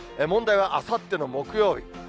問題はあさっての木曜日。